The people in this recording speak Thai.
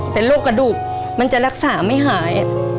เป็นโรคกระดูกมันจะรักษาไม่หาย